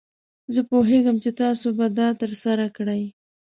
زه پوهیږم چې تاسو به دا ترسره کړئ.